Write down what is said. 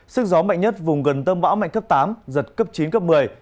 sức gió mạnh nhất vùng gần tâm bão mạnh cấp tám giật cấp chín cấp một mươi